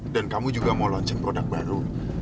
dan kamu juga mau launch in produk baru